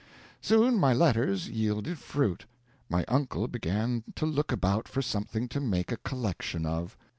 Soon my letters yielded fruit. My uncle began to look about for something to make a collection of.